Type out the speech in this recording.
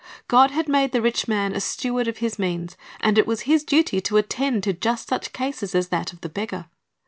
God had made the rich man a steward of His means, and it was his duty to attend to just such cases as that of the beggar.